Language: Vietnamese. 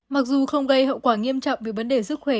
mặc dù không gây hậu quả nghiêm trọng về vấn đề sức khỏe